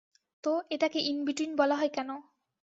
তো, এটাকে in between বলা হয় কেন?